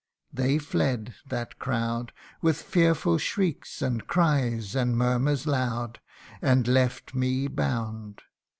They fled, that crowd, With fearful shrieks, and cries, and murmurs loud, And left me bound.